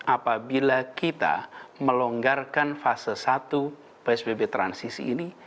apabila kita melonggarkan fase satu psbb transisi ini